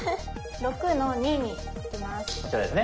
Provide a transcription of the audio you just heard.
６の二に置きます。